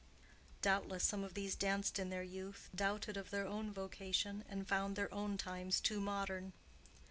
(Doubtless some of these danced in their youth, doubted of their own vocation, and found their own times too modern.)